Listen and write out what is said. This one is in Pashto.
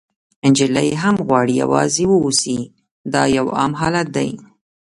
نجلۍ هم غواړي یوازې واوسي، دا یو عام حالت دی.